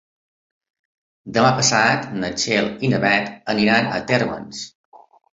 Demà passat na Txell i na Beth aniran a Térmens.